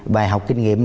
bài học kinh nghiệm